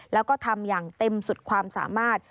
แล้วก็ทำอย่างเต็มสุดความสามารถ